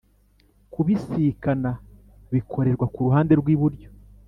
Kubisikana bikorerwa ku ruhande rw iburyo